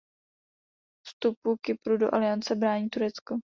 Vstupu Kypru do Aliance brání Turecko.